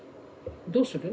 どうする？